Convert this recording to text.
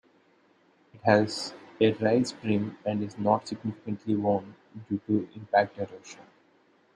It has a raised rim and is not significantly worn due to impact erosion.